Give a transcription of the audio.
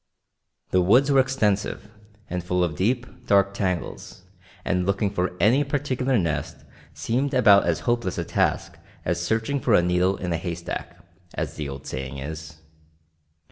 The woods were extensive, and full of deep, dark tangles, and looking for any particular nest seemed about as hopeless a task as searching for a needle in a haystack, as the old saying is.